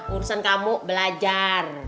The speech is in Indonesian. urusan kamu belajar